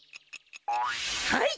はい！